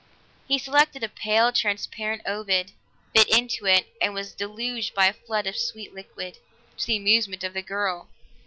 He selected a pale, transparent ovoid, bit into it, and was deluged by a flood of sweet liquid, to the amusement of the girl.